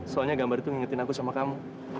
soalnya gambar itu ngingetin aku sama kamu